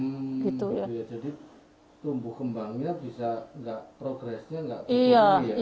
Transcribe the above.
jadi tumbuh kembangnya bisa progresnya nggak kembang